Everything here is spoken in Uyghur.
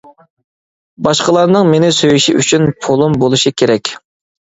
باشقىلارنىڭ مېنى سۆيۈشى ئۈچۈن پۇلۇم بولۇشى كېرەك.